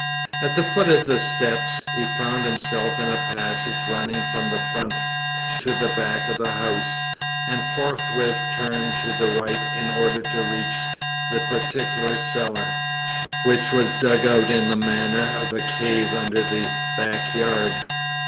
At the foot of the steps he found himself in a passage running from the front to the back of the house, and forthwith turned to the right in order to reach the particular cellar, which was dug out in the manner of a cave under the back yard.